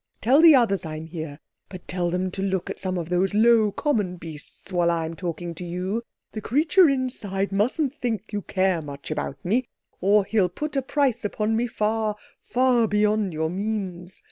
Tell the others I'm here—but tell them to look at some of those low, common beasts while I'm talking to you. The creature inside mustn't think you care much about me, or he'll put a price upon me far, far beyond your means.